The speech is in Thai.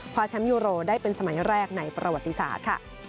แชมป์ยูโรได้เป็นสมัยแรกในประวัติศาสตร์ค่ะ